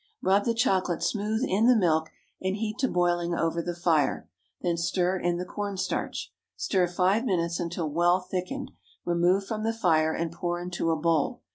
Rub the chocolate smooth in the milk and heat to boiling over the fire, then stir in the corn starch. Stir five minutes until well thickened, remove from the fire, and pour into a bowl.